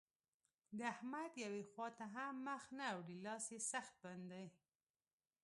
د احمد يوې خوا ته هم مخ نه اوړي؛ لاس يې سخت بند دی.